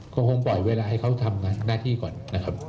ก็คงปล่อยเวลาให้เขาทำงานหน้าที่ก่อนนะครับ